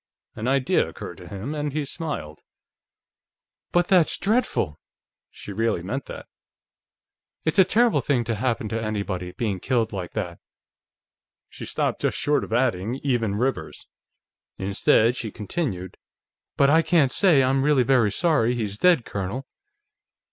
An idea occurred to him, and he smiled. "But that's dreadful!" She really meant that. "It's a terrible thing to happen to anybody, being killed like that." She stopped just short of adding: "even Rivers." Instead, she continued: "But I can't say I'm really very sorry he's dead, Colonel."